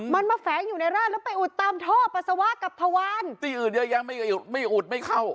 มันมาแฝงอยู่ในร่างแล้วไปอุดตามท่อปัสสาวะกับทวารที่อื่นเยอะยังไม่อุดไม่เข้า